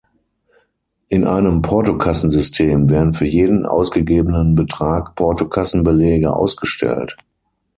In einem Portokassensystem werden für jeden ausgegebenen Betrag Portokassenbelege ausgestellt.